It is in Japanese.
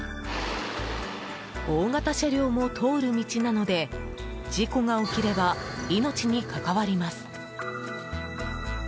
大型車両も通る道なので事故が起きれば命に関わります。